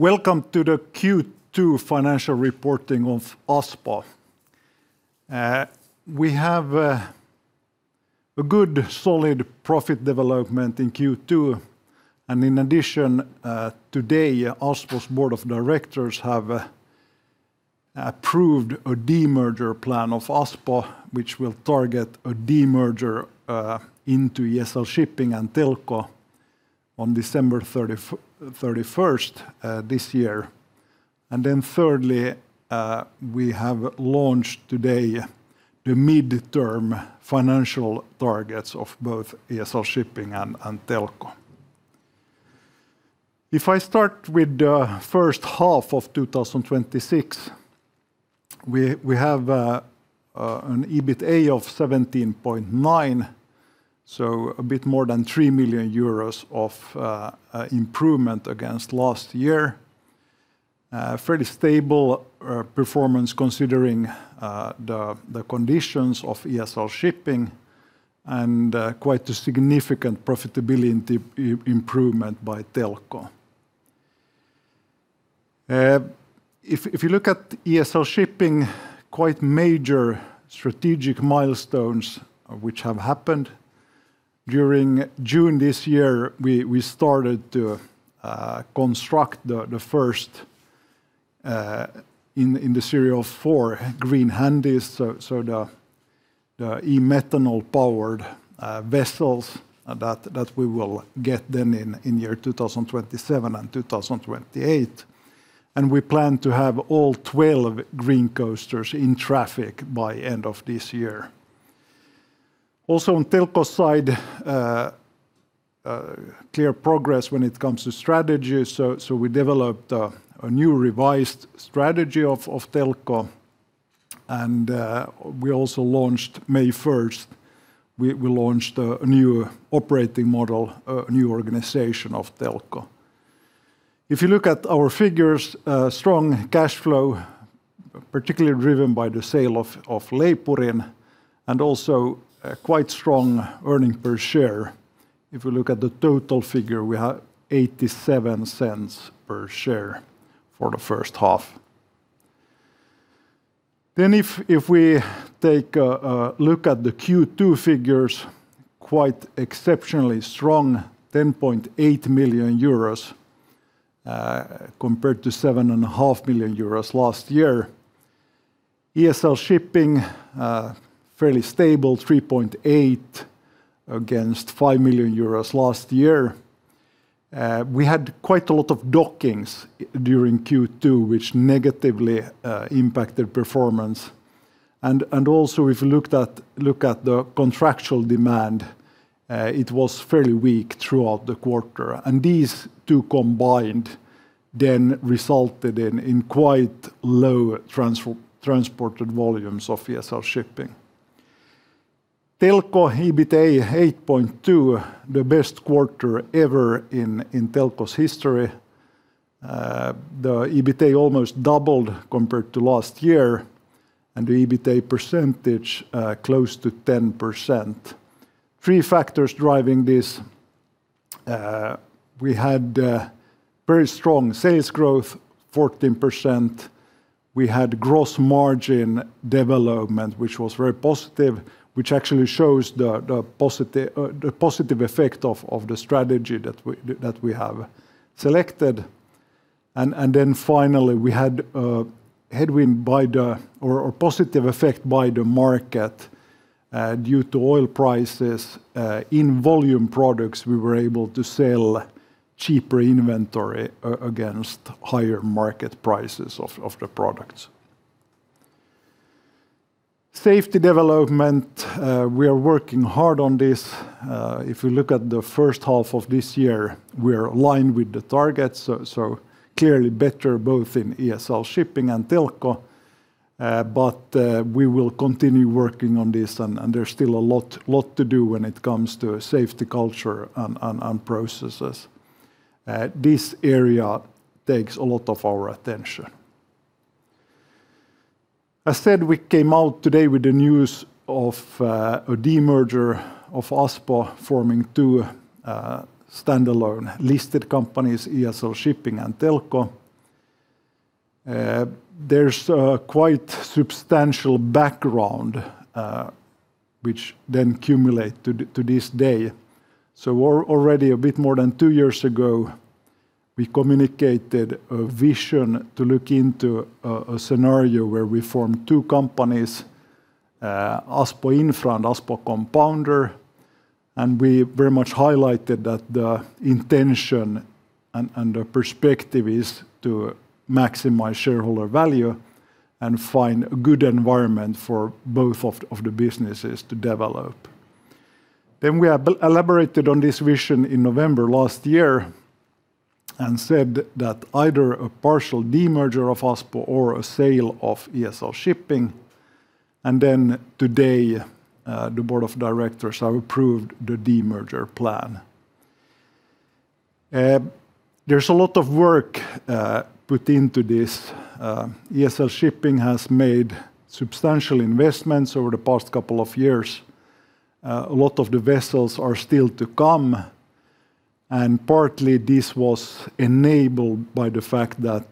Welcome to the Q2 financial reporting of Aspo. We have a good, solid profit development in Q2. In addition, today, Aspo's board of directors have approved a demerger plan of Aspo, which will target a demerger into ESL Shipping and Telko on December 31st this year. Thirdly, we have launched today the midterm financial targets of both ESL Shipping and Telko. If I start with the first half of 2026, we have an EBITA of 17.9 million, so a bit more than 3 million euros of improvement against last year. Fairly stable performance considering the conditions of ESL Shipping and quite a significant profitability improvement by Telko. If you look at ESL Shipping, quite major strategic milestones which have happened. During June this year, we started to construct the first in the serial four Green Handys, so the e-methanol-powered vessels that we will get then in year 2027 and 2028. We plan to have all 12 Green Coasters in traffic by end of this year. Also on Telko's side, clear progress when it comes to strategy. We developed a new revised strategy of Telko. We also launched, May 1st, we launched a new operating model, a new organization of Telko. If you look at our figures, strong cash flow, particularly driven by the sale of Leipurin and also quite strong earning per share. If we look at the total figure, we have 0.87 per share for the first half. If we take a look at the Q2 figures, quite exceptionally strong, 10.8 million euros, compared to 7.5 million euros last year. ESL Shipping, fairly stable, 3.8 million against 5 million euros last year. We had quite a lot of dockings during Q2, which negatively impacted performance. Also if you look at the contractual demand, it was fairly weak throughout the quarter. These two combined then resulted in quite low transported volumes of ESL Shipping. Telko EBITA 8.2 million, the best quarter ever in Telko's history. The EBITA almost doubled compared to last year, and the EBITA percentage close to 10%. Three factors driving this. We had very strong sales growth, 14%. We had gross margin development, which was very positive, which actually shows the positive effect of the strategy that we have selected. Finally, we had a headwind or positive effect by the market due to oil prices. In volume products, we were able to sell cheaper inventory against higher market prices of the products. Safety development, we are working hard on this. If we look at the first half of this year, we're aligned with the targets, so clearly better both in ESL Shipping and Telko. We will continue working on this, and there's still a lot to do when it comes to safety culture and processes. This area takes a lot of our attention. I said we came out today with the news of a demerger of Aspo, forming two standalone listed companies, ESL Shipping and Telko. There's a quite substantial background, which then cumulate to this day. Already a bit more than two years ago, we communicated a vision to look into a scenario where we form two companies, Aspo Infra and Aspo Compounder. We very much highlighted that the intention and the perspective is to maximize shareholder value and find a good environment for both of the businesses to develop. We elaborated on this vision in November last year and said that either a partial demerger of Aspo or a sale of ESL Shipping. Today, the board of directors have approved the demerger plan. There's a lot of work put into this. ESL Shipping has made substantial investments over the past couple of years. A lot of the vessels are still to come, and partly this was enabled by the fact that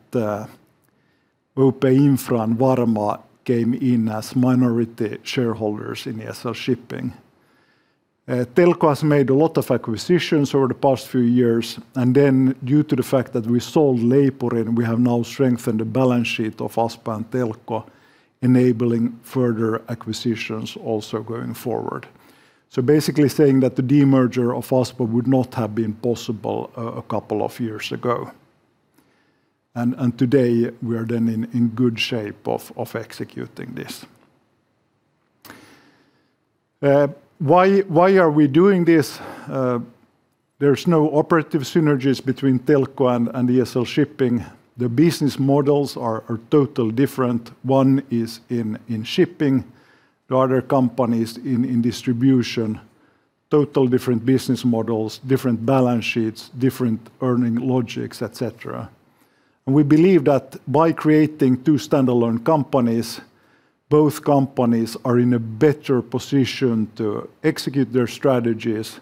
OP Finland Infrastructure and Varma came in as minority shareholders in ESL Shipping. Telko has made a lot of acquisitions over the past few years, and due to the fact that we sold Leipurin, we have now strengthened the balance sheet of Aspo and Telko, enabling further acquisitions also going forward. Basically saying that the demerger of Aspo would not have been possible a couple of years ago. Today, we are in good shape of executing this. Why are we doing this? There's no operative synergies between Telko and ESL Shipping. The business models are totally different. One is in shipping, the other company is in distribution. Total different business models, different balance sheets, different earning logics, et cetera. We believe that by creating two standalone companies, both companies are in a better position to execute their strategies,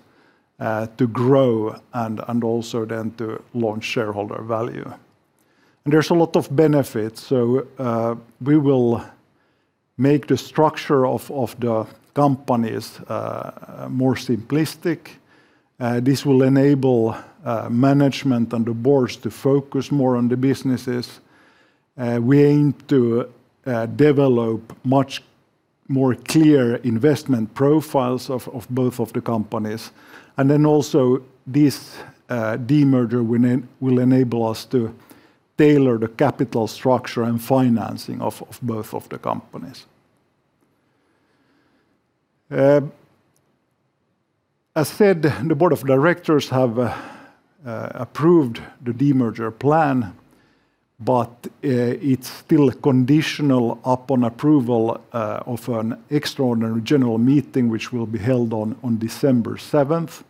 to grow, and also then to launch shareholder value. There's a lot of benefits. We will make the structure of the companies more simplistic. This will enable management and the boards to focus more on the businesses. We aim to develop much more clear investment profiles of both of the companies. Also, this demerger will enable us to tailor the capital structure and financing of both of the companies. As said, the Board of Directors have approved the demerger plan, but it's still conditional upon approval of an extraordinary general meeting, which will be held on December 7th.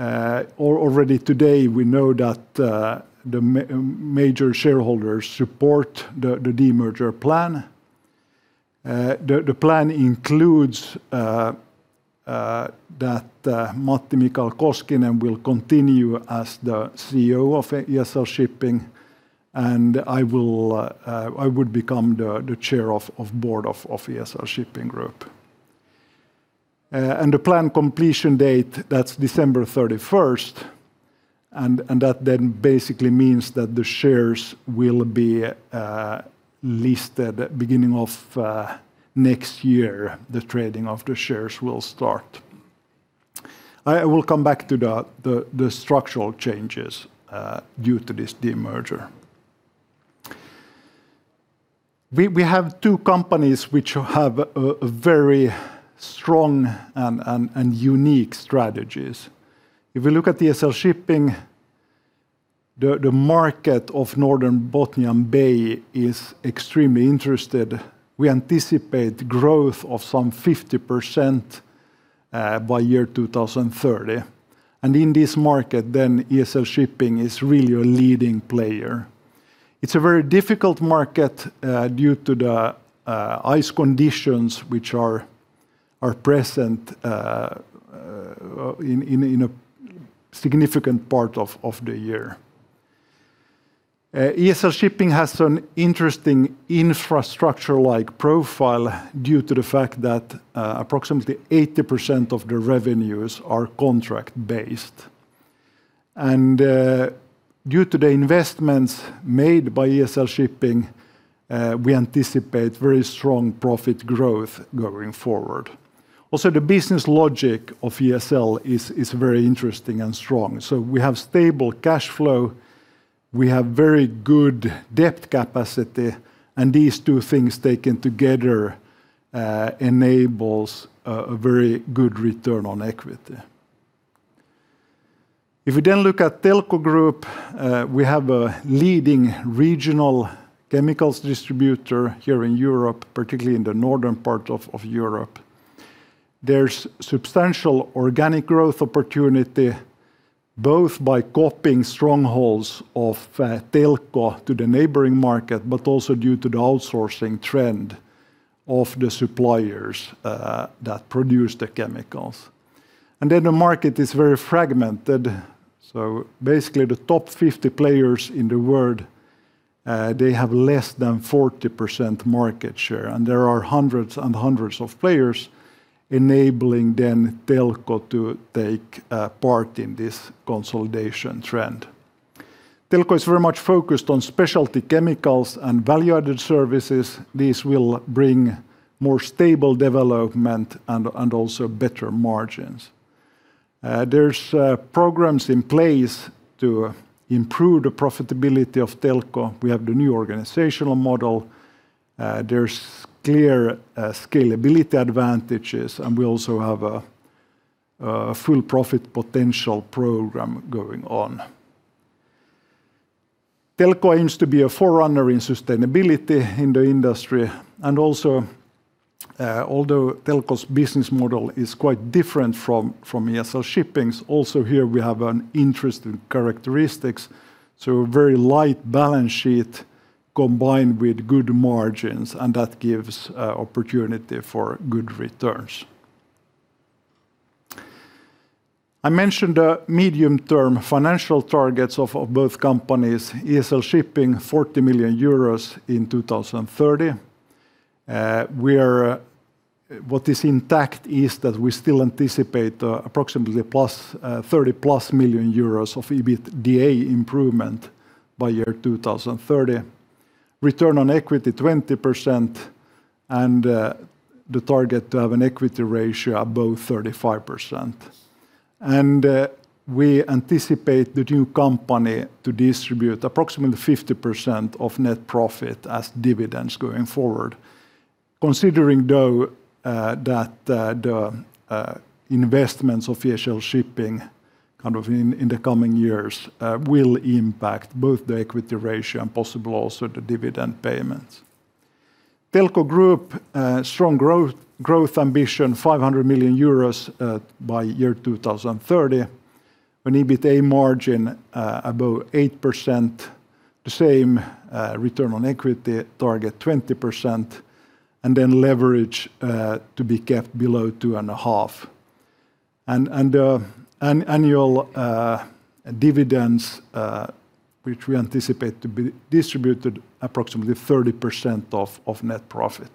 Already today, we know that the major shareholders support the demerger plan. The plan includes that Matti-Mikael Koskinen will continue as the CEO of ESL Shipping, and I would become the chair of board of ESL Shipping Group. The plan completion date, that's December 31st, and that basically means that the shares will be listed beginning of next year, the trading of the shares will start. I will come back to the structural changes due to this demerger. We have two companies which have very strong and unique strategies. If we look at ESL Shipping, the market of Northern Bothnian Bay is extremely interested. We anticipate growth of some 50% by year 2030. In this market, ESL Shipping is really a leading player. It's a very difficult market due to the ice conditions which are present in a significant part of the year. ESL Shipping has an interesting infrastructure-like profile due to the fact that approximately 80% of the revenues are contract based. Due to the investments made by ESL Shipping, we anticipate very strong profit growth going forward. Also, the business logic of ESL is very interesting and strong. We have stable cash flow, we have very good debt capacity, and these two things taken together enables a very good return on equity. If we look at Telko Group, we have a leading regional chemicals distributor here in Europe, particularly in the northern part of Europe. There's substantial organic growth opportunity, both by copying strongholds of Telko to the neighboring market, but also due to the outsourcing trend of the suppliers that produce the chemicals. The market is very fragmented, basically the top 50 players in the world, they have less than 40% market share, and there are hundreds and hundreds of players enabling Telko to take part in this consolidation trend. Telko is very much focused on specialty chemicals and value-added services. These will bring more stable development and also better margins. There's programs in place to improve the profitability of Telko. We have the new organizational model. There's clear scalability advantages, and we also have a full profit potential program going on. Telko aims to be a forerunner in sustainability in the industry, although Telko's business model is quite different from ESL Shipping's, also here we have an interesting characteristics. A very light balance sheet combined with good margins, that gives opportunity for good returns. I mentioned the medium-term financial targets of both companies, ESL Shipping, 40 million euros in 2030. What is intact is that we still anticipate approximately 30+ million euros of EBITDA improvement by year 2030, return on equity 20%, and the target to have an equity ratio above 35%. We anticipate the new company to distribute approximately 50% of net profit as dividends going forward. Considering, though, that the investments of ESL Shipping in the coming years will impact both the equity ratio and possible also the dividend payments. Telko Group, strong growth ambition, 500 million euros by year 2030, an EBITA margin above 8%, the same return on equity target, 20%, leverage to be kept below 2.5. Annual dividends, which we anticipate to be distributed approximately 30% of net profit.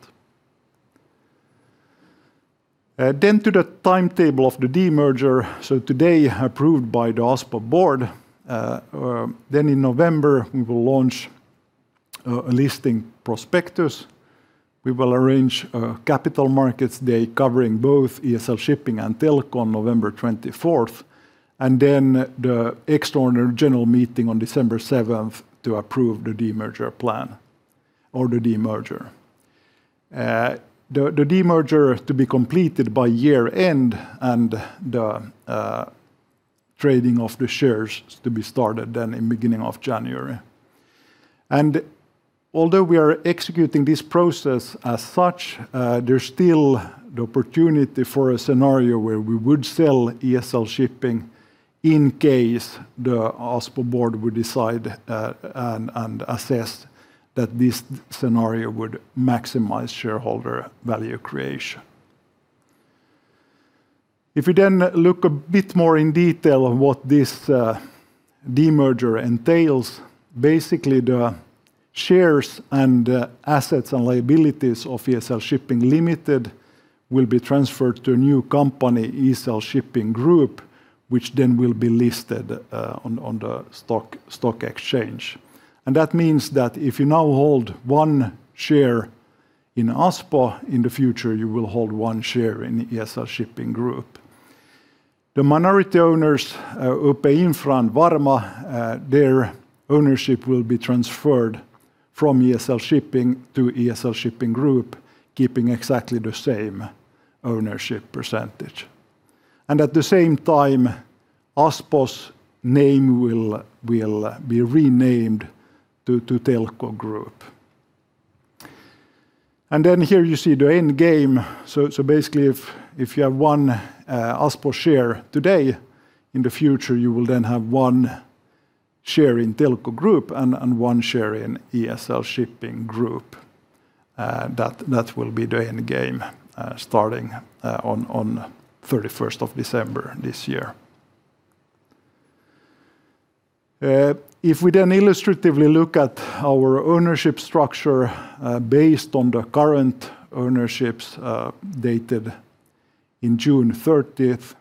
To the timetable of the demerger. Today, approved by the Aspo board. In November, we will launch a listing prospectus. We will arrange a Capital Markets Day covering both ESL Shipping and Telko on November 24th, the extraordinary general meeting on December 7th to approve the demerger plan or the demerger. The demerger to be completed by year-end and the trading of the shares to be started then in the beginning of January. Although we are executing this process as such, there's still the opportunity for a scenario where we would sell ESL Shipping in case the Aspo board would decide and assess that this scenario would maximize shareholder value creation. If we then look a bit more in detail on what this demerger entails, basically the shares and assets and liabilities of ESL Shipping Ltd will be transferred to a new company, ESL Shipping Group, which will be listed on the stock exchange. That means that if you now hold one share in Aspo, in the future you will hold one share in ESL Shipping Group. The minority owners, OP Finland Infrastructure and Varma, their ownership will be transferred from ESL Shipping to ESL Shipping Group, keeping exactly the same ownership percentage. At the same time, Aspo's name will be renamed to Telko Group. Here you see the end game. If you have one Aspo share today, in the future you will then have one share in Telko Group and one share in ESL Shipping Group. That will be the end game starting on 31st of December this year. If we then illustratively look at our ownership structure based on the current ownerships dated in June 30th,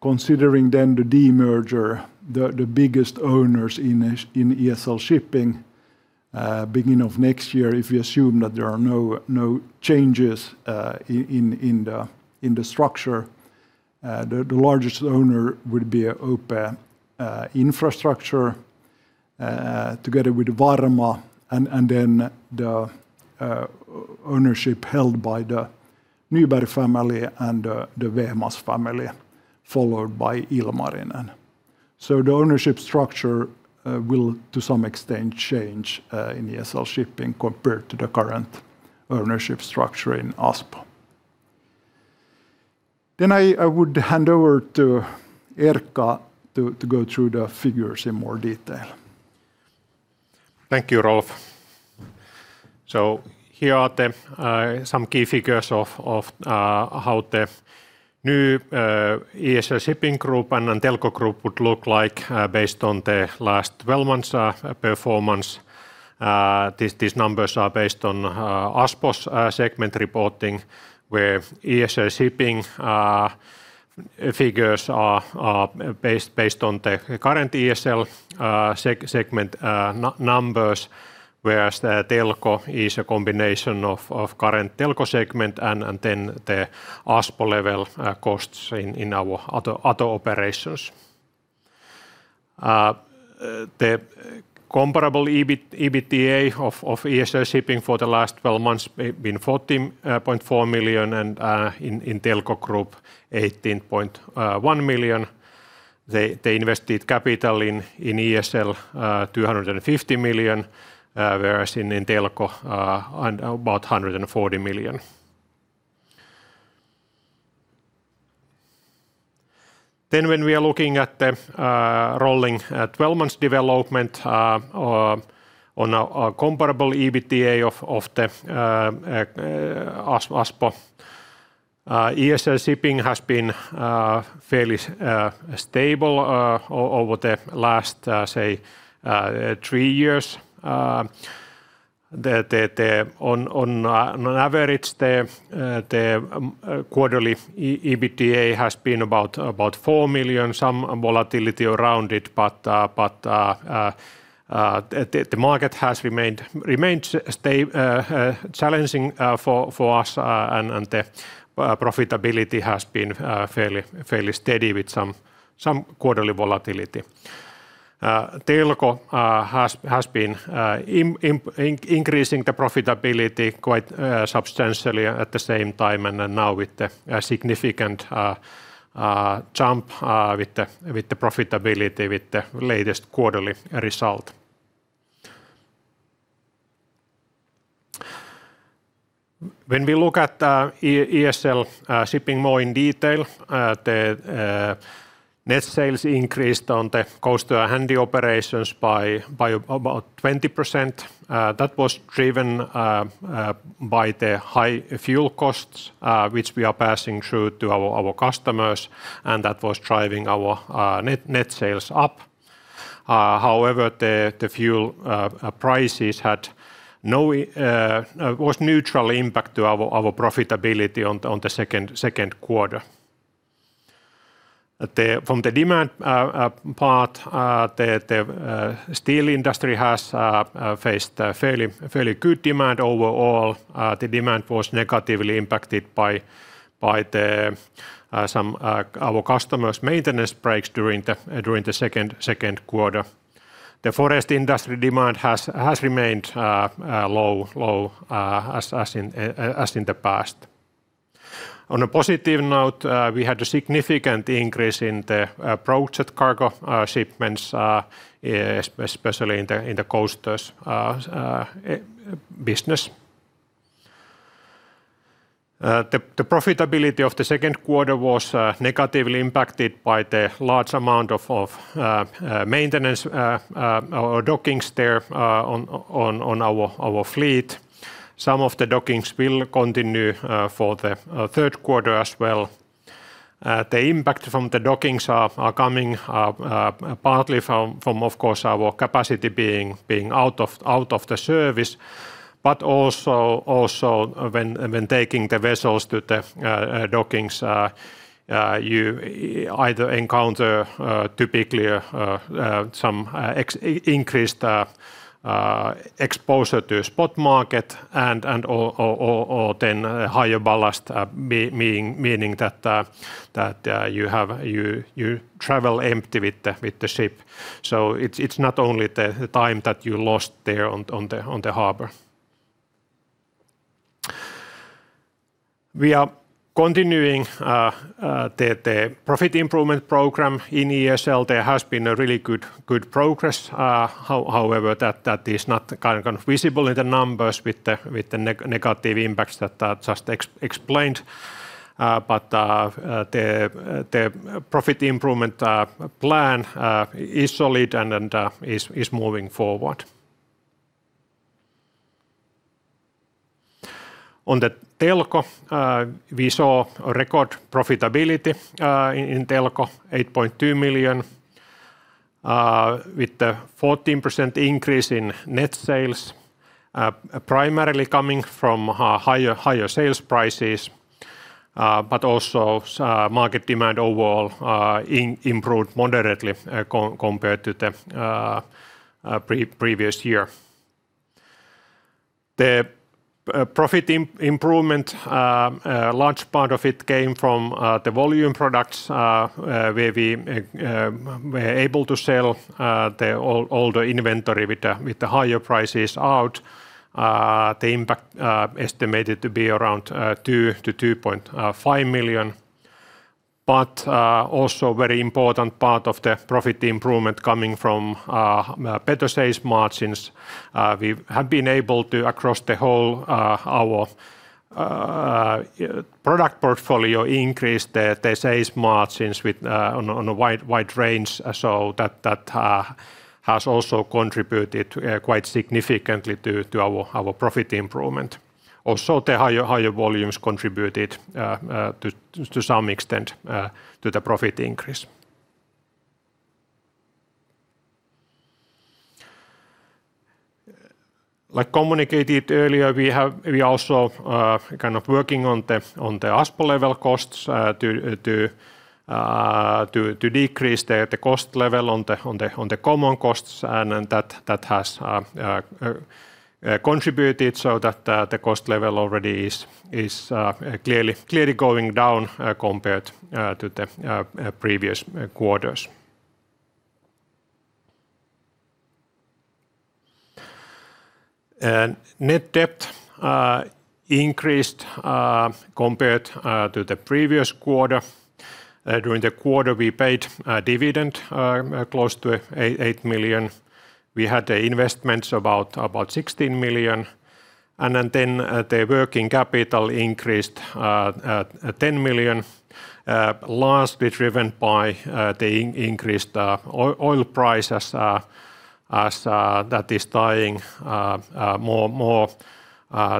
considering then the demerger, the biggest owners in ESL Shipping, beginning of next year, if we assume that there are no changes in the structure, the largest owner would be OP Finland Infrastructure together with Varma, and then the ownership held by the Nyberg family and the Vehmas family, followed by Ilmarinen. The ownership structure will to some extent change in ESL Shipping compared to the current ownership structure in Aspo. I would hand over to Erkka to go through the figures in more detail. Thank you, Rolf. Here are some key figures of how the new ESL Shipping Group and Telko Group would look like based on the last 12 months' performance. These numbers are based on Aspo's segment reporting, where ESL Shipping figures are based on the current ESL segment numbers, whereas Telko is a combination of current Telko segment and then the Aspo level costs in our other operations. The comparable EBITA of ESL Shipping for the last 12 months have been 14.4 million, and in Telko Group, 18.1 million. The invested capital in ESL, 250 million, whereas in Telko, about 140 million. When we are looking at the rolling 12 months development on a comparable EBITA of the Aspo, ESL Shipping has been fairly stable over the last, say, three years. On average, the quarterly EBITA has been about 4 million, some volatility around it, but the market has remained challenging for us and the profitability has been fairly steady with some quarterly volatility. Telko has been increasing the profitability quite substantially at the same time, and now with the significant jump with the profitability with the latest quarterly result. When we look at ESL Shipping more in detail, the net sales increased on the coaster and handy operations by about 20%. That was driven by the high fuel costs, which we are passing through to our customers, and that was driving our net sales up. However, the fuel prices was neutral impact to our profitability on the second quarter. From the demand part, the steel industry has faced a fairly good demand overall. The demand was negatively impacted by some our customers' maintenance breaks during the second quarter. The forest industry demand has remained low as in the past. On a positive note, we had a significant increase in the project cargo shipments, especially in the coasters business. The profitability of the second quarter was negatively impacted by the large amount of maintenance or dockings there on our fleet. Some of the dockings will continue for the third quarter as well. The impact from the dockings are coming partly from, of course, our capacity being out of the service, but also when taking the vessels to the dockings, you either encounter typically some increased exposure to spot market and/or then higher ballast, meaning that you travel empty with the ship. It's not only the time that you lost there on the harbor. We are continuing the profit improvement program in ESL. There has been a really good progress. That is not visible in the numbers with the negative impacts that I just explained. The profit improvement plan is solid and is moving forward. On the Telko, we saw a record profitability in Telko, 8.2 million, with the 14% increase in net sales primarily coming from higher sales prices, but also market demand overall improved moderately compared to the previous year. The profit improvement, a large part of it came from the volume products, where we were able to sell the older inventory with the higher prices out. The impact estimated to be around 2 million-2.5 million. Also very important part of the profit improvement coming from better sales margins. We have been able to, across the whole our product portfolio, increase the sales margins on a wide range, so that has also contributed quite significantly to our profit improvement. The higher volumes contributed to some extent to the profit increase. Like communicated earlier, we also working on the Aspo-level costs to decrease the cost level on the common costs, and that has contributed so that the cost level already is clearly going down compared to the previous quarters. Net debt increased compared to the previous quarter. During the quarter, we paid a dividend close to 8 million. We had investments of about 16 million, and then the working capital increased 10 million, largely driven by the increased oil price as that is tying more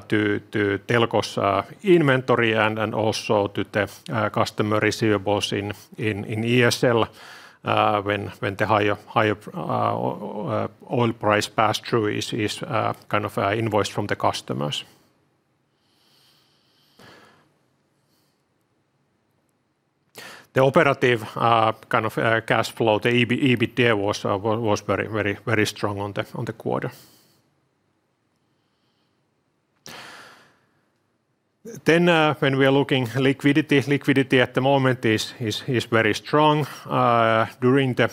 to Telko's inventory and also to the customer receivables in ESL when the higher oil price pass-through is invoiced from the customers. The operative cash flow, the EBITDA, was very strong on the quarter. When we are looking liquidity at the moment is very strong. During the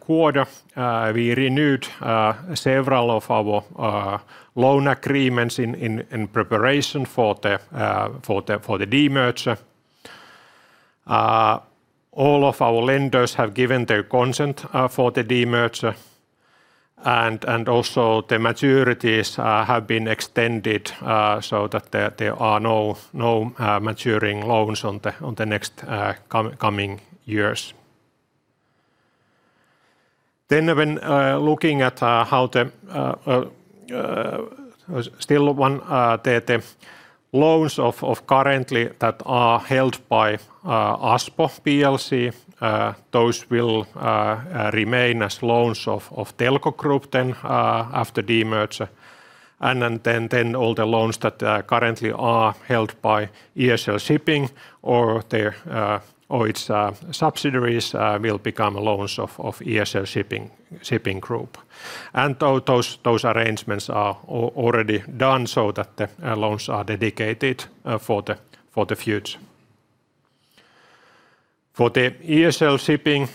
quarter, we renewed several of our loan agreements in preparation for the demerger. All of our lenders have given their consent for the demerger. Also the maturities have been extended so that there are no maturing loans on the next coming years. When looking at the loans currently that are held by Aspo Plc, those will remain as loans of Telko Group then after demerger. All the loans that currently are held by ESL Shipping or its subsidiaries will become loans of ESL Shipping Group. Those arrangements are already done so that the loans are dedicated for the future. For the ESL Shipping,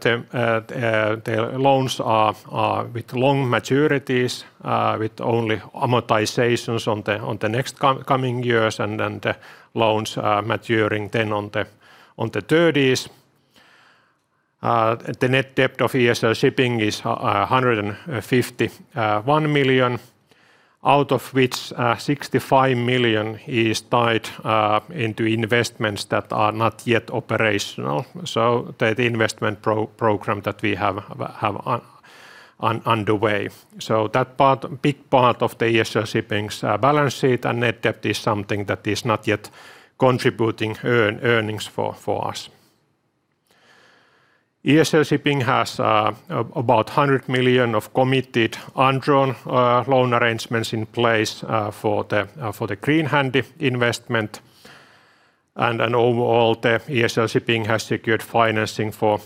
the loans are with long maturities with only amortizations on the next coming years, and then the loans maturing then on the 2030s. The net debt of ESL Shipping is 151 million, out of which 65 million is tied into investments that are not yet operational. The investment program that we have underway. That big part of the ESL Shipping's balance sheet and net debt is something that is not yet contributing earnings for us. ESL Shipping has about 100 million of committed undrawn loan arrangements in place for the Green Handy investment. In all, the ESL Shipping has secured financing for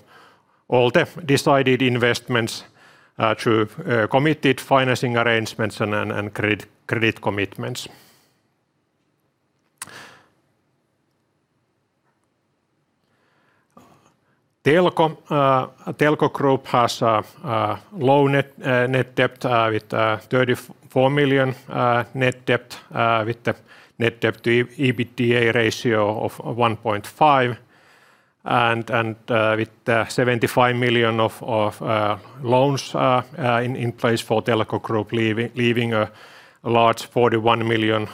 all the decided investments through committed financing arrangements and credit commitments. Telko Group has a low net debt with 34 million net debt, with the net debt-to-EBITDA ratio of 1.5 with 75 million of loans in place for Telko Group, leaving a large 41 million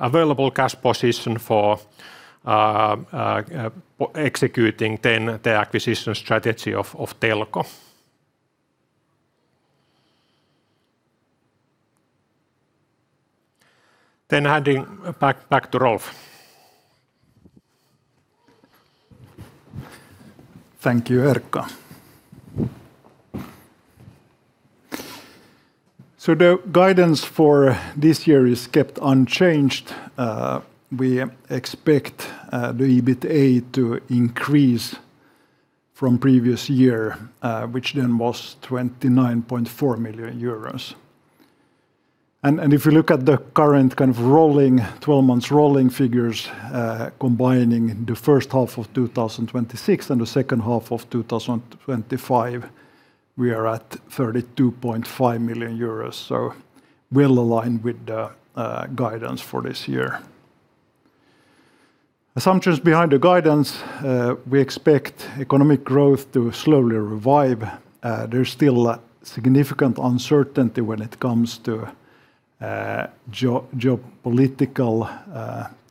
available cash position for executing the acquisition strategy of Telko. Handing back to Rolf. Thank you, Erkka. The guidance for this year is kept unchanged. We expect the EBITA to increase from previous year, which was 29.4 million euros. If you look at the current 12 months rolling figures combining the first half of 2026 and the second half of 2025, we are at 32.5 million euros. Well-aligned with the guidance for this year. Assumptions behind the guidance, we expect economic growth to slowly revive. There's still significant uncertainty when it comes to geopolitical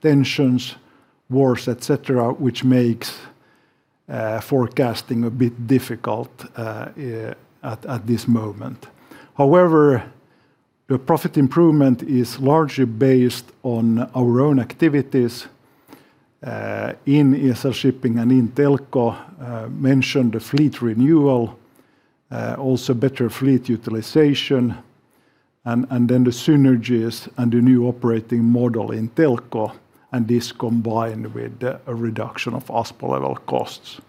tensions, wars, et cetera, which makes forecasting a bit difficult at this moment. However, the profit improvement is largely based on our own activities in ESL Shipping and in Telko. Mentioned the fleet renewal, also better fleet utilization, the synergies and the new operating model in Telko, this combined with a reduction of Aspo-level costs.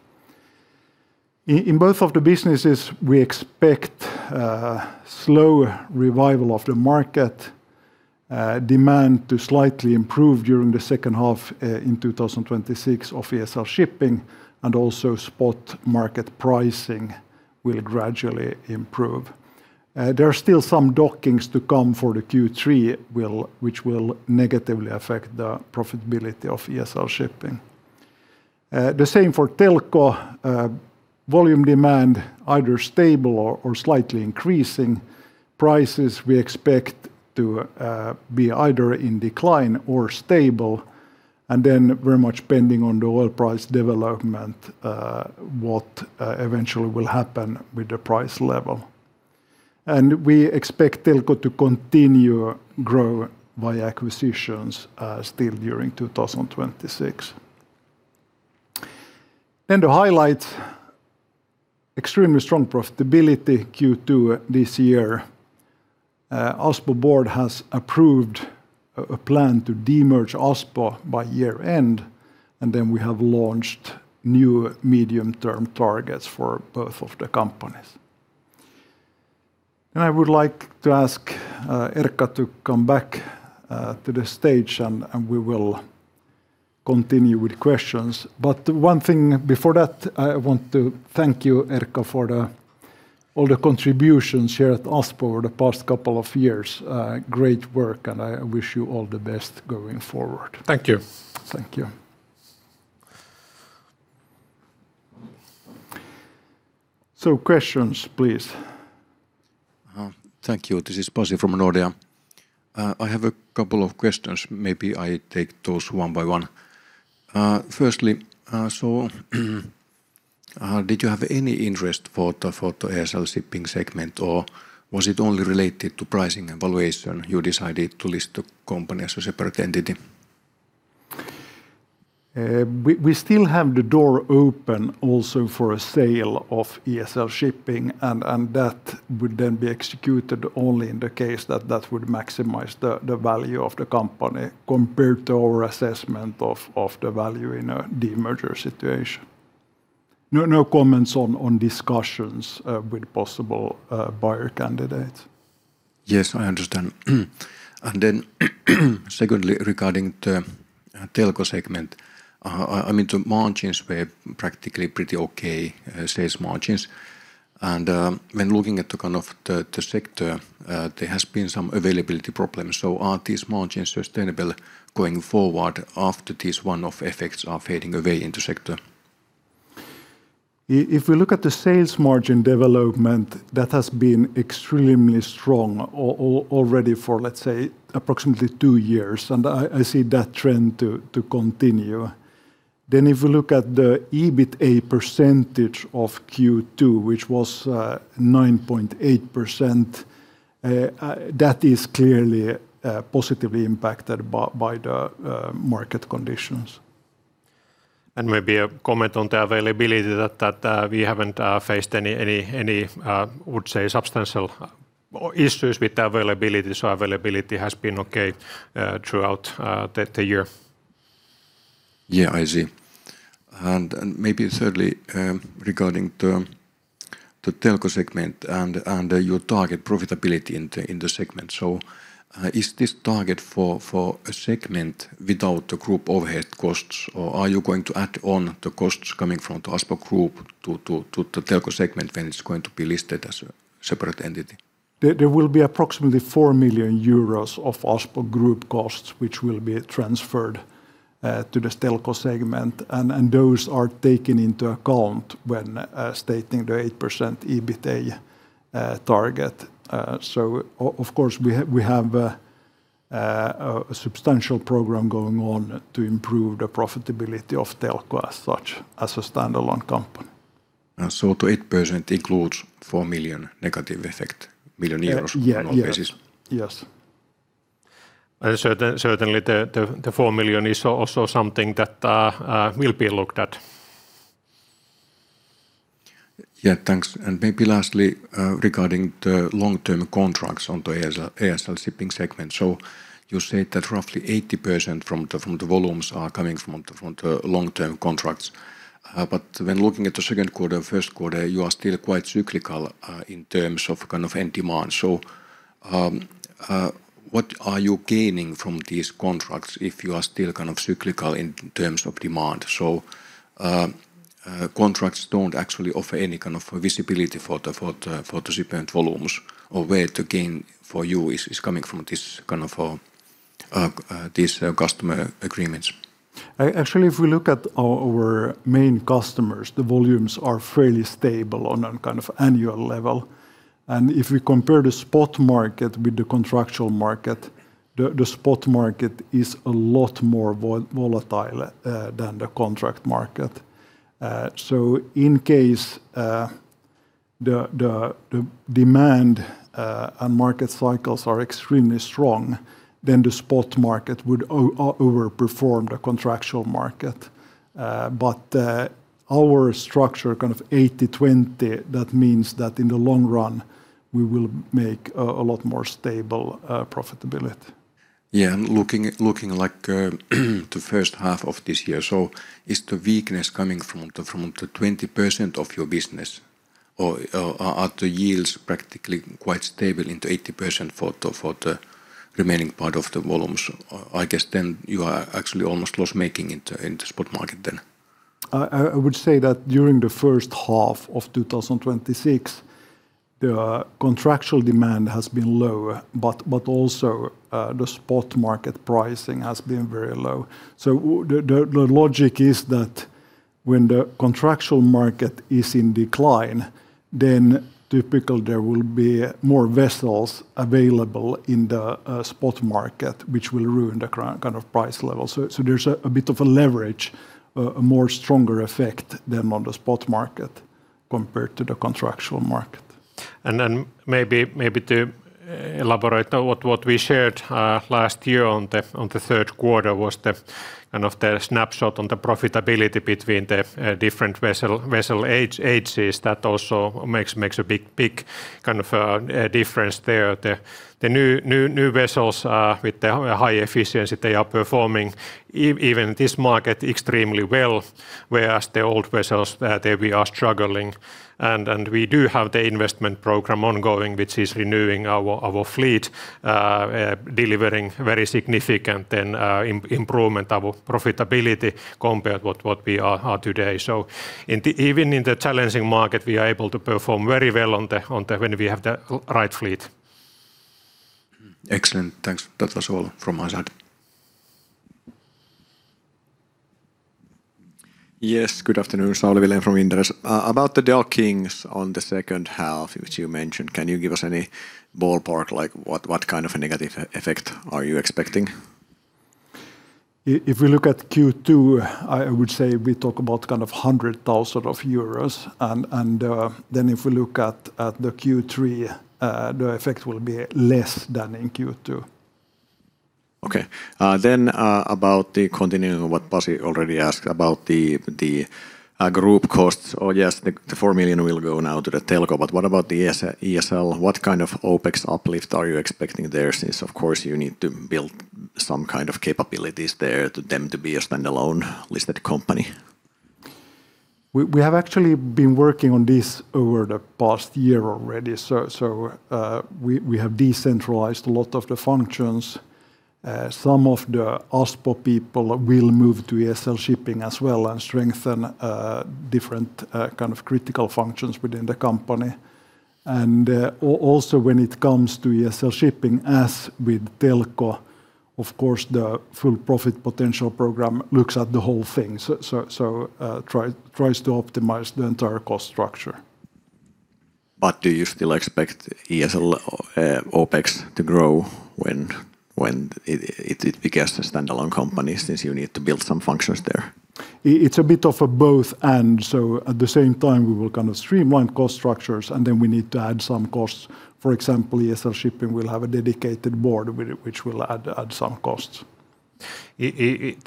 In both of the businesses, we expect a slow revival of the market demand to slightly improve during the second half in 2026 of ESL Shipping, also spot market pricing will gradually improve. There are still some dockings to come for the Q3, which will negatively affect the profitability of ESL Shipping. The same for Telko. Volume demand, either stable or slightly increasing. Prices, we expect to be either in decline or stable, very much depending on the oil price development, what eventually will happen with the price level. We expect Telko to continue growing via acquisitions still during 2026. To highlight extremely strong profitability Q2 this year. Aspo board has approved a plan to de-merge Aspo by year-end, we have launched new medium-term targets for both of the companies. I would like to ask Erkka to come back to the stage, we will continue with questions. One thing before that, I want to thank you, Erkka, for all the contributions here at Aspo for the past couple of years. Great work, I wish you all the best going forward. Thank you. Thank you. Questions, please. Thank you. This is Pasi from Nordea. I have a couple of questions. Maybe I take those one by one. Firstly, did you have any interest for the ESL Shipping segment, or was it only related to pricing evaluation you decided to list the company as a separate entity? We still have the door open also for a sale of ESL Shipping. That would then be executed only in the case that that would maximize the value of the company compared to our assessment of the value in a demerger situation. No comments on discussions with possible buyer candidates. Secondly, regarding the Telko segment. The margins were practically pretty okay sales margins. When looking at the sector, there has been some availability problems. Are these margins sustainable going forward after these one-off effects are fading away in the sector? If we look at the sales margin development, that has been extremely strong already for, let's say, approximately two years, and I see that trend to continue. If we look at the EBITA percentage of Q2, which was 9.8%, that is clearly positively impacted by the market conditions. Maybe a comment on the availability that we haven't faced any, I would say, substantial issues with availability. Availability has been okay throughout the year. I see. Maybe thirdly, regarding the Telko segment and your target profitability in the segment. Is this target for a segment without the Group overhead costs, or are you going to add on the costs coming from the Aspo Group to the Telko segment when it's going to be listed as a separate entity? There will be approximately 4 million euros of Aspo Group costs, which will be transferred to the Telko segment, and those are taken into account when stating the 8% EBITA target. Of course, we have a substantial program going on to improve the profitability of Telko as such as a standalone company. The 8% includes 4 million negative effect, million euros on an annual basis? Yes. Certainly, the 4 million is also something that will be looked at. Yeah, thanks. Maybe lastly, regarding the long-term contracts on the ESL Shipping segment. You said that roughly 80% from the volumes are coming from the long-term contracts. When looking at the second quarter and first quarter, you are still quite cyclical in terms of end demand. What are you gaining from these contracts if you are still cyclical in terms of demand? Contracts don't actually offer any kind of visibility for the shipment volumes, or where the gain for you is coming from these customer agreements. Actually, if we look at our main customers, the volumes are fairly stable on an annual level. If we compare the spot market with the contractual market, the spot market is a lot more volatile than the contract market. In case the demand and market cycles are extremely strong, then the spot market would overperform the contractual market. Our structure, 80/20, that means that in the long run, we will make a lot more stable profitability. Yeah, looking like the first half of this year. Is the weakness coming from the 20% of your business? Are the yields practically quite stable in the 80% for the remaining part of the volumes? I guess you are actually almost loss-making in the spot market then. I would say that during the first half of 2026, the contractual demand has been low, also the spot market pricing has been very low. The logic is that when the contractual market is in decline, then typical there will be more vessels available in the spot market, which will ruin the price level. There's a bit of a leverage, a more stronger effect than on the spot market compared to the contractual market. Maybe to elaborate on what we shared last year on the third quarter was the snapshot on the profitability between the different vessel ages. That also makes a big difference there. The new vessels with the high efficiency, they are performing even this market extremely well, whereas the old vessels, they are struggling. We do have the investment program ongoing, which is renewing our fleet, delivering very significant improvement of profitability compared what we are today. Even in the challenging market, we are able to perform very well when we have the right fleet. Excellent. Thanks. That was all from my side. Yes, good afternoon. Sauli Vilén from Inderes. About the dockings on the second half, which you mentioned, can you give us any ballpark, like what kind of a negative effect are you expecting? If we look at Q2, I would say we talk about 100,000 euros. If we look at the Q3, the effect will be less than in Q2. Okay. Continuing on what Pasi already asked about the group costs. Yes, the 4 million will go now to the Telko, but what about the ESL Shipping? What kind of OpEx uplift are you expecting there, since of course you need to build some kind of capabilities there to them to be a standalone listed company? We have actually been working on this over the past year already. We have decentralized a lot of the functions. Some of the Aspo people will move to ESL Shipping as well and strengthen different critical functions within the company. When it comes to ESL Shipping, as with Telko, of course, the full profit potential program looks at the whole thing. Tries to optimize the entire cost structure. Do you still expect ESL Shipping OpEx to grow when it becomes a standalone company, since you need to build some functions there? It's a bit of a both and. At the same time, we will streamline cost structures, and then we need to add some costs. For example, ESL Shipping will have a dedicated board, which will add some costs.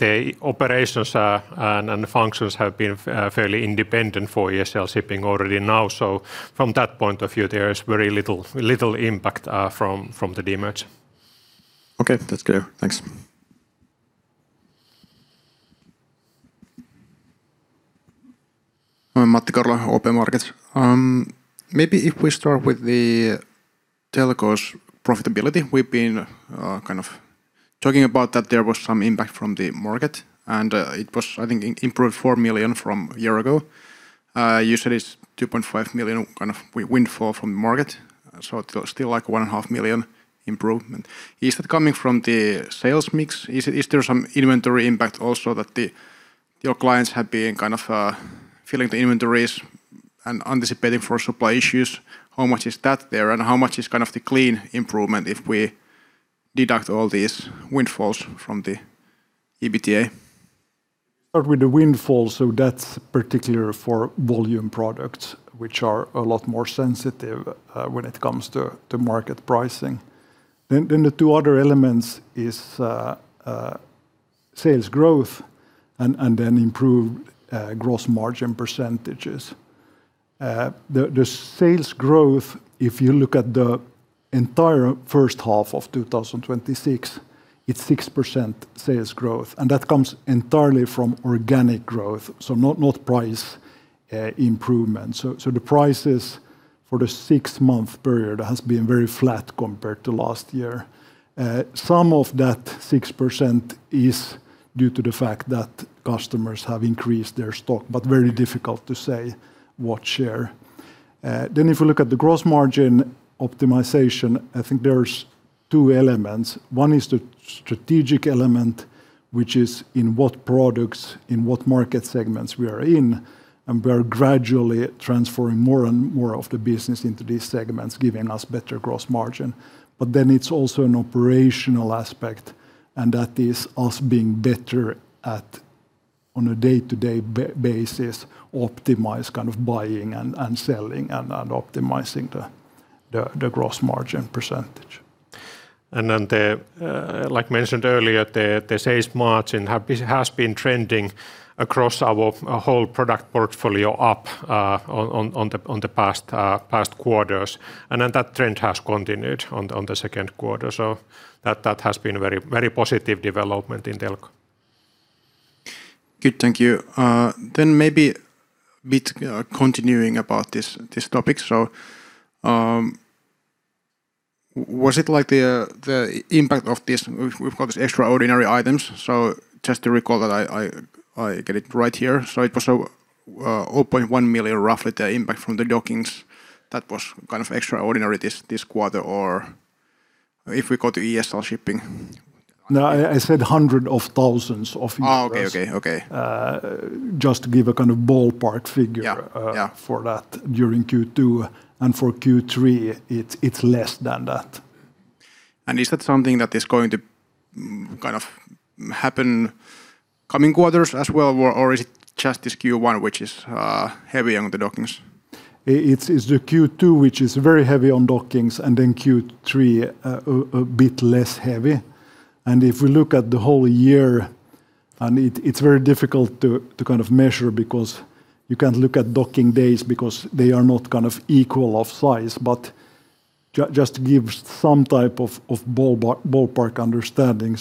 The operations and the functions have been fairly independent for ESL Shipping already now. From that point of view, there is very little impact from the demerge. Okay, that's clear. Thanks. I'm Matti Kaurola, OP Markets. If we start with Telko's profitability, we've been talking about that there was some impact from the market, and it was, I think, improved 4 million from a year ago. You said it's 2.5 million windfall from the market, so still like 1.5 million improvement. Is that coming from the sales mix? Is there some inventory impact also that your clients have been filling the inventories and anticipating for supply issues? How much is that there, and how much is the clean improvement if we deduct all these windfalls from the EBITA? Start with the windfall, so that's particular for volume products, which are a lot more sensitive when it comes to market pricing. The two other elements is sales growth and then improved gross margin percentages. The sales growth, if you look at the entire first half of 2026, it's 6% sales growth, and that comes entirely from organic growth, so not price improvement. The prices for the six-month period has been very flat compared to last year. Some of that 6% is due to the fact that customers have increased their stock, but very difficult to say what share. If you look at the gross margin optimization, I think there's two elements. One is the strategic element, which is in what products, in what market segments we are in, and we are gradually transferring more and more of the business into these segments, giving us better gross margin. It's also an operational aspect, and that is us being better at, on a day-to-day basis, optimize buying and selling and optimizing the gross margin percentage. Like mentioned earlier, the sales margin has been trending across our whole product portfolio up on the past quarters. That trend has continued on the second quarter. That has been very positive development in Telko. Good, thank you. Maybe continuing about this topic. We've got these extraordinary items. Just to recall that I get it right here, it was roughly 0.1 million, the impact from the dockings that was extraordinary this quarter, or if we go to ESL Shipping. No, I said hundreds of thousands of euros. Okay. Just to give a ballpark figure— Yeah For that during Q2. For Q3, it's less than that. Is that something that is going to happen coming quarters as well, or is it just this Q1 which is heavy on the dockings? It's the Q2 which is very heavy on dockings, then Q3 a bit less heavy. If we look at the whole year, it's very difficult to measure because you can't look at docking days because they are not equal of size, but just give some type of ballpark understanding.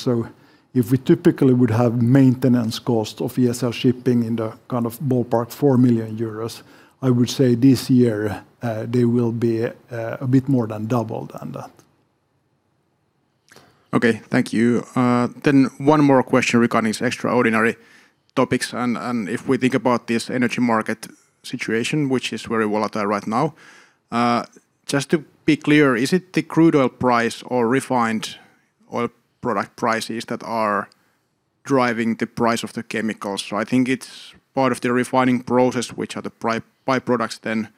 If we typically would have maintenance cost of ESL Shipping in the ballpark 4 million euros, I would say this year they will be a bit more than double than that. Okay. Thank you. One more question regarding these extraordinary topics. If we think about this energy market situation, which is very volatile right now. Just to be clear, is it the crude oil price or refined oil product prices that are driving the price of the chemicals? I think it's part of the refining process, which are the byproducts then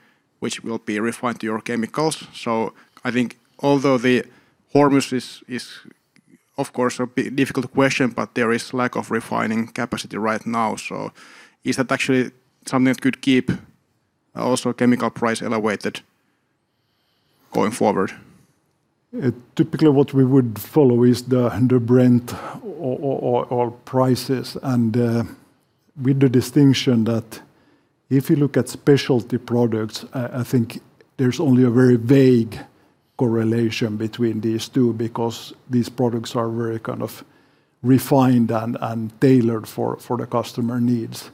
which will be refined to your chemicals. I think although the Hormuz is, of course, a difficult question, but there is lack of refining capacity right now. Is that actually something that could keep also chemical price elevated going forward? Typically what we would follow is the Brent oil prices, with the distinction that if you look at specialty products, I think there's only a very vague correlation between these two because these products are very refined and tailored for the customer needs.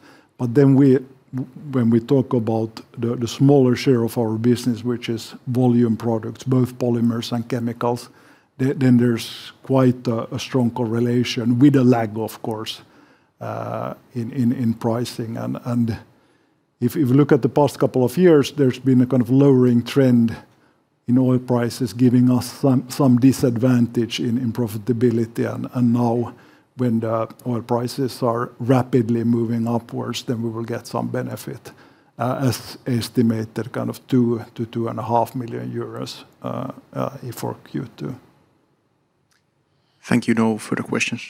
When we talk about the smaller share of our business, which is volume products, both polymers and chemicals, there's quite a strong correlation with a lag, of course, in pricing. If you look at the past couple of years, there's been a lowering trend in oil prices giving us some disadvantage in profitability. Now when the oil prices are rapidly moving upwards, we will get some benefit, as estimated 2 million-2.5 million euros for Q2. Thank you. No further questions.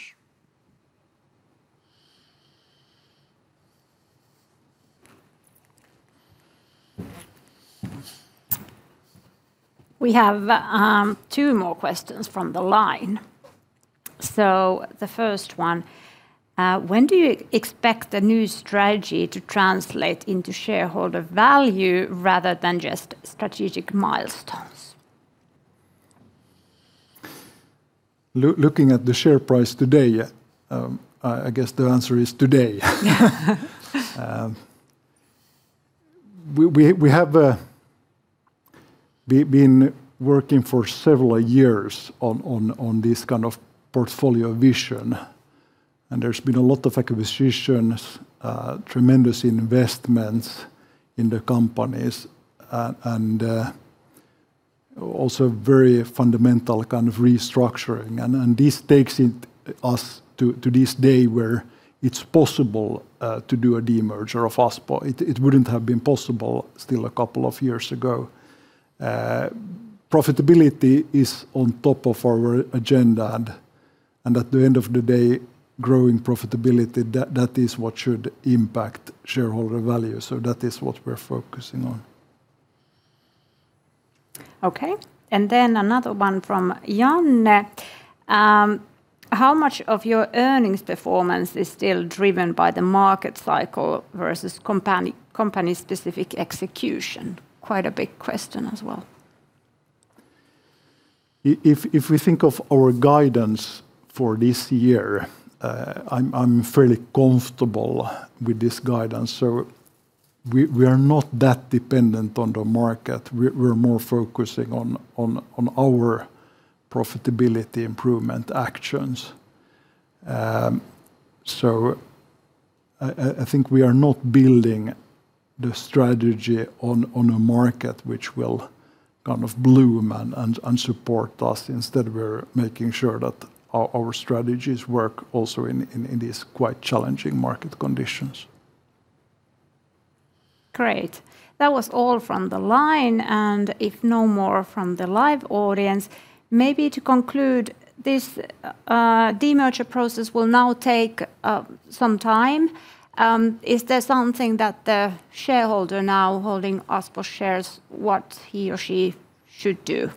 We have two more questions from the line. The first one, when do you expect the new strategy to translate into shareholder value rather than just strategic milestones? Looking at the share price today, I guess the answer is today. We have been working for several years on this kind of portfolio vision, there's been a lot of acquisitions, tremendous investments in the companies, and also very fundamental kind of restructuring. This takes us to this day where it's possible to do a demerger of Aspo. It wouldn't have been possible still a couple of years ago. Profitability is on top of our agenda, at the end of the day, growing profitability, that is what should impact shareholder value. That is what we're focusing on. Okay. Another one from Janne. How much of your earnings performance is still driven by the market cycle versus company specific execution? Quite a big question as well. If we think of our guidance for this year, I'm fairly comfortable with this guidance. We are not that dependent on the market. We're more focusing on our profitability improvement actions. I think we are not building the strategy on a market which will bloom and support us. Instead, we're making sure that our strategies work also in these quite challenging market conditions. Great. That was all from the line, if no more from the live audience, maybe to conclude, this demerger process will now take some time. Is there something that the shareholder now holding Aspo shares, what he or she should do?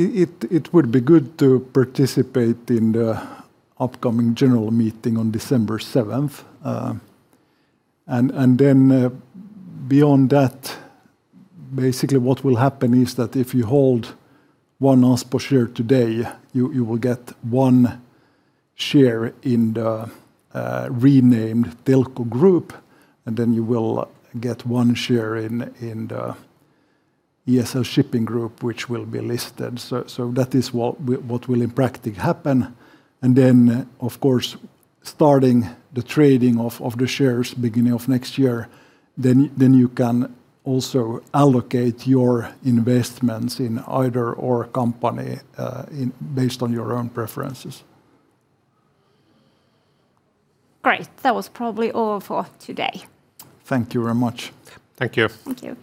It would be good to participate in the upcoming general meeting on December 7th. Beyond that, basically what will happen is that if you hold one Aspo share today, you will get one share in the renamed Telko Group, you will get one share in the ESL Shipping Group, which will be listed. That is what will in practice happen. Of course, starting the trading of the shares beginning of next year, you can also allocate your investments in either or company based on your own preferences. Great. That was probably all for today. Thank you very much. Thank you. Thank you.